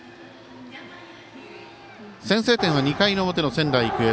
先制点は２回の表の仙台育英。